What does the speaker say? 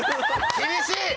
厳しい！